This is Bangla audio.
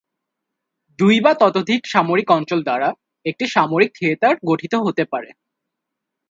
দুই বা ততোধিক সামরিক অঞ্চল দ্বারা একটি সামরিক থিয়েটার গঠিত হতে পারে।